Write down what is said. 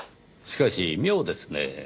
しかし妙ですねぇ。